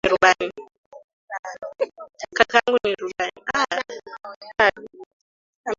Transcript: Kaka yangu ni rubani.